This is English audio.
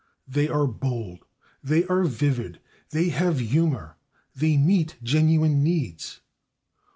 They are bold; they are vivid; they have humor; they meet genuine needs.